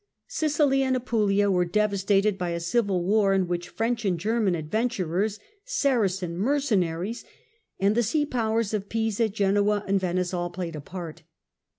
Sicily and Apulia were devastated by a civil war in which French and German adventurers, Saracen mercenaries, and the sea powers of Pisa, Genoa and Venice all played a part.